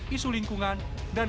isu lingkungan dan